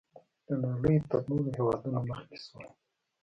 د نړۍ تر نورو هېوادونو مخکې شول.